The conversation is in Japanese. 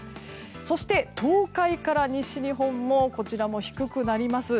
そして東海から西日本も低くなります。